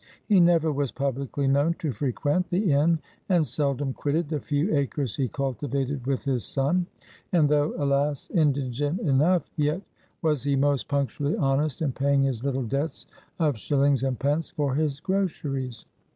He never was publicly known to frequent the inn, and seldom quitted the few acres he cultivated with his son. And though, alas, indigent enough, yet was he most punctually honest in paying his little debts of shillings and pence for his groceries.